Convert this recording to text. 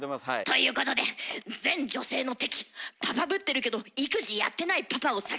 ということで全女性の敵パパぶってるけど育児やってないパパを探せ！